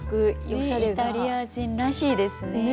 イタリア人らしいですね。